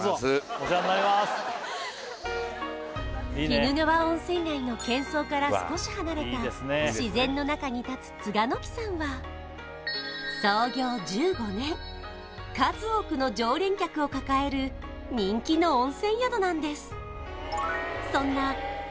鬼怒川温泉街のけん騒から少し離れた自然の中に立つ栂の季さんは数多くの常連客を抱える人気の温泉宿なんです